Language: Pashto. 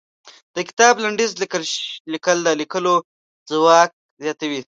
د کتاب لنډيز ليکل د ليکلو ځواک زياتوي.